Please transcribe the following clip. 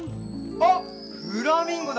あっフラミンゴだ！